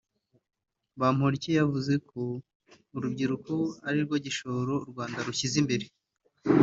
Bamporiki yavuze ko urubyiruko ari rwo gishoro u Rwanda rushyize imbere